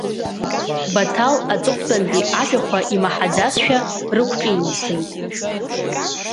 Баҭал аҵыхәтәантәи ажәақәа имаҳаӡазшәа рықәҿимҭӡеит.